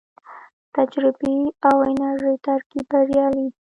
د تجربې او انرژۍ ترکیب بریالی دی